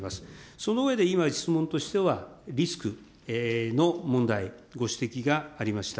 その上で今質問としては、リスクの問題、ご指摘がありました。